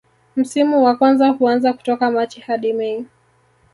Msimu wa kwanza huanza kutoka Machi hadi mei